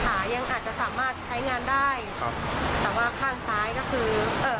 ขายังอาจจะสามารถใช้งานได้ครับแต่ว่าข้างซ้ายก็คือเอ่อ